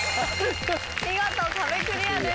見事壁クリアです。